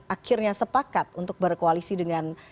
akhirnya sepakat untuk berkoalisi dengan